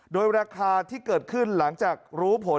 โดยราคาที่เกิดขึ้นหลังจากรู้ผล